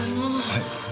はい？